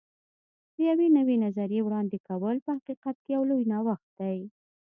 د یوې نوې نظریې وړاندې کول په حقیقت کې یو لوی نوښت دی.